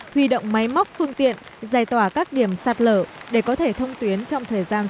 huy động máy móc phương tiện giải tỏa các điểm sạt lở để có thể thông tuyến trong thời gian sớm